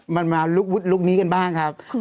มันมาลุกนี้กันบ้างครับ